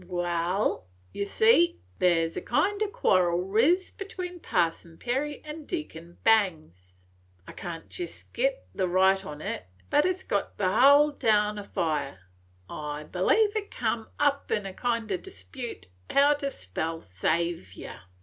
"Wal, ye see, there 's a kind o' quarrel ris 'tween Parson Perry and Deacon Bangs. I can't jest git the right on 't, but it 's got the hull town afire. I b'lieve it cum up in a kind o' dispute how to spell Saviour.